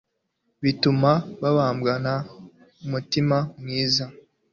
bituma babahambana umutima mwiza